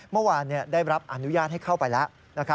เมื่อวานได้รับอนุญาตให้เข้าไปแล้ว